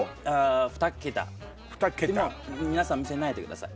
皆さんに見せないでください。